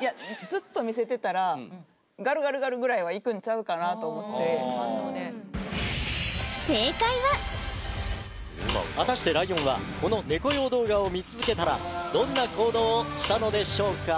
いやずっと見せてたらガルガルガルぐらいはいくんちゃうかなと思って正解は果たしてライオンはこのネコ用動画を見続けたらどんな行動をしたのでしょうか？